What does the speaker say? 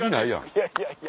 いやいやいや。